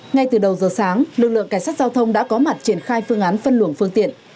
ngay từ đầu giờ sáng lực lượng cảnh sát giao thông đã có mặt triển khai phương án phân luồng phương tiện